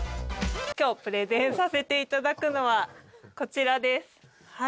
今日プレゼンさせて頂くのはこちらです。